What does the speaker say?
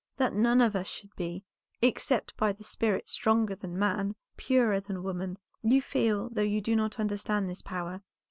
That none of us should be, except by the Spirit stronger than man, purer than woman. You feel, though you do not understand this power.